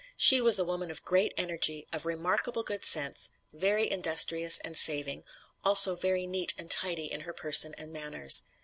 She was a woman of great energy, of remarkable good sense, very industrious and saving, also very neat and tidy in her person and manners.